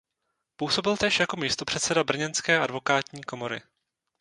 Působil též jako místopředseda brněnské advokátní komory.